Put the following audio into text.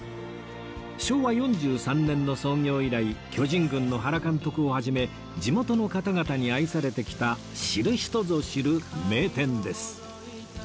昭和４３年の創業以来巨人軍の原監督を始め地元の方々に愛されてきた知る人ぞ知る名店です